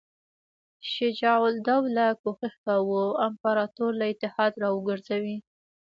شجاع الدوله کوښښ کاوه امپراطور له اتحاد را وګرځوي.